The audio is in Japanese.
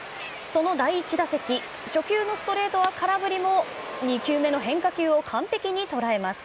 その第１打席、初球のストレートは空振りも、２球目の変化球を完璧に捉えます。